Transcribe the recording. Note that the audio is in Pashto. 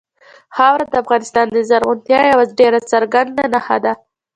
خاوره د افغانستان د زرغونتیا یوه ډېره څرګنده نښه ده.